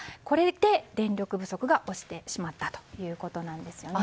これで、電力不足が起きてしまったということです。